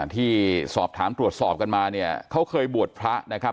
ที่สอบถามตรวจสอบกันมาเนี่ยเขาเคยบวชพระนะครับ